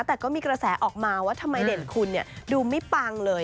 แต่ก็มีกระแสออกมาว่าทำไมเด่นคุณดูไม่ปังเลย